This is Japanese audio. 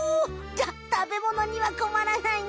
じゃたべものにはこまらないね。